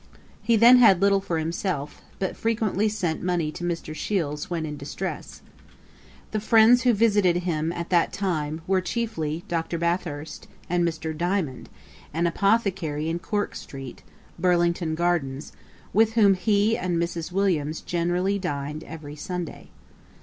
He had then little for himself, but frequently sent money to Mr. Shiels when in distress. The friends who visited him at that time, were chiefly Dr. Bathurst, and Mr. Diamond, an apothecary in Cork street, Burlington gardens, with whom he and Mrs. Williams generally dined every Sunday.